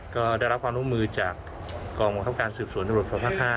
ก็ได้รับความภูมิจากกองบังคับการสืบสวนอุโรธภาค๕